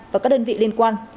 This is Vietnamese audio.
và các đơn vị liên quan